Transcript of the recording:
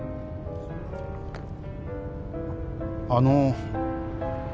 あの。